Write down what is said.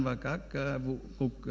và các vụ cục